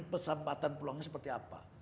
pesempatan peluangnya seperti apa